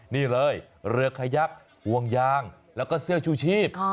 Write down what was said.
นี่เลยเรือขยักห่วงยางแล้วก็เสื้อชูชีพ